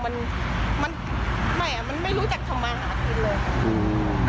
มันไม่รู้จักทำไมเอาแค่นี้เลย